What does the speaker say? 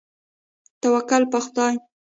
توکل په خدای.